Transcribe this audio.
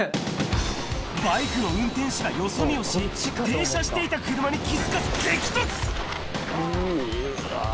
バイクの運転手がよそ見をし、停車していた車に気付かず激突。